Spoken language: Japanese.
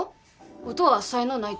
音は才能ないと？